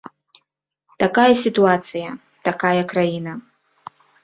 Такая сітуацыя, такая краіна.